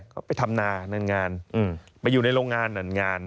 คงอยู่ในโรงงาน